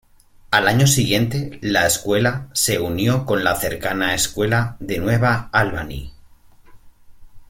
Al año siguiente la escuela se unió con la cercana Escuela de Nueva Albany.